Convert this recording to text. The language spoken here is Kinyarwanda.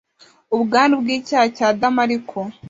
ubwandu bw'icyaha cya adamu, ariko